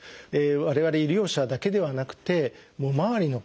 我々医療者だけではなくて周りの方